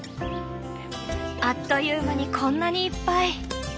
あっという間にこんなにいっぱい！